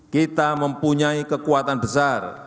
kita mempunyai kekuatan besar